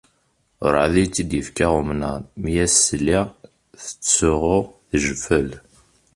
Urɛad i tt-id-ifka umnaṛ mi as-sliɣ tettsuɣu, tjeffel.